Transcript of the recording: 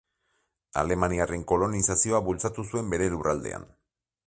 Alemaniarren kolonizazioa bultzatu zuen bere lurraldean.